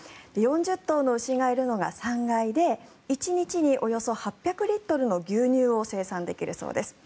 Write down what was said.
４０頭の牛がいるのが３階で１日におよそ８００リットルの牛乳を生産できるそうです。